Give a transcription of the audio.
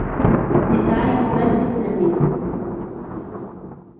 Yesɛa Yuba mmi-s n mmi-s.